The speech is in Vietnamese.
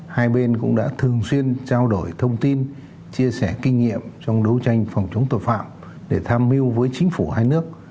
hai bên cũng đã thường xuyên trao đổi thông tin chia sẻ kinh nghiệm trong đấu tranh phòng chống tội phạm để tham mưu với chính phủ hai nước